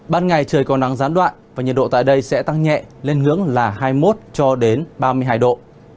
ban ngày trời có nắng gián đoạn và nhiệt độ tại đây sẽ tăng nhẹ lên ngưỡng là hai mươi một cho đến ba mươi hai độ